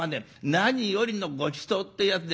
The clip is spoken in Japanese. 何よりのごちそうっていうやつで。